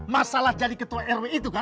masalah jadi ketua rw itu kan